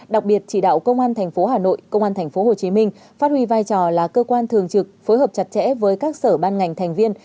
đặc biệt chỉ đạo công an tp hcm phát huy vai trò là cơ quan thường trực phối hợp chặt chẽ với các sở ban ngành thành viên